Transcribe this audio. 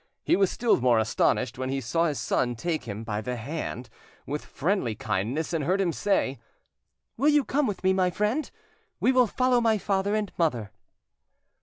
He was still more astonished when he saw his son take him by the hand with friendly kindness, and heard him say— "Will you come with me, my friend? We will follow my father and mother."